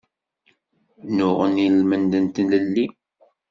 Nnuɣen i lmend n tlelli.